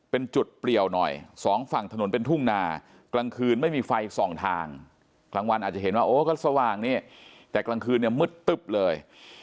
เป็นจุดเปลี่ยวหน่อยสองฝั่งถนนเป็นทุ่งนากลางคืนไม่มีไฟส่องทางกลางวันอาจจะเห็นว่าโอ้ก็สว่างนี่แต่กลางคืนเนี่ยมืดตึ๊บเลย